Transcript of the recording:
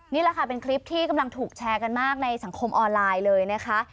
นี่แหละค่ะเป็นคลิปที่กำลังถูกแชร์กันมากในสังคมออนไลน์เลยนะคะ